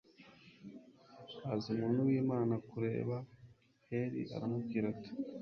haza umuntu w'imana kureba heli, aramubwira ati